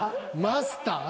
「マスター」